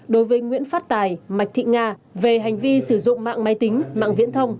đối với nguyễn phát tài mạch thị nga về hành vi sử dụng mạng máy tính mạng viễn thông